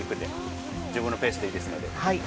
自分のペースでいいですので。